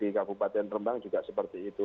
di kabupaten rembang juga seperti itu